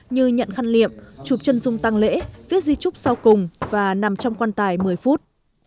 như nhận khăn liệm chụp chân dung tăng lễ viết di trúc sau cùng và nằm trong quan tài một mươi phút